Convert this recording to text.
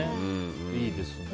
いいですね。